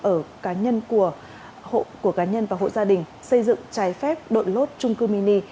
ở cá nhân của cá nhân và hộ gia đình xây dựng trái phép đội lốt trung cư mini